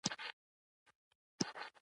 صفت د نوم حالت بدلوي.